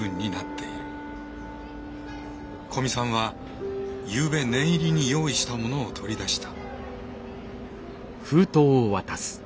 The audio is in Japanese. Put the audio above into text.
古見さんはゆうべ念入りに用意したものを取り出した。